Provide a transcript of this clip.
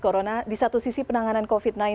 corona di satu sisi penanganan covid sembilan belas